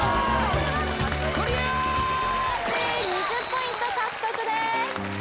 ２０ポイント獲得です